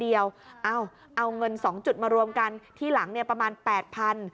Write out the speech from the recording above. เอาเงิน๒จุดมารวมกันที่หลังประมาณ๘๐๐๐บาท